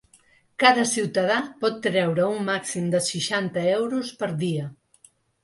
Cada ciutadà pot treure un màxim de seixanta euros per dia.